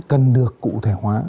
cần được cụ thể hóa